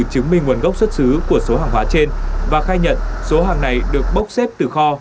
chứng minh nguồn gốc xuất xứ của số hàng hóa trên và khai nhận số hàng này được bốc xếp từ kho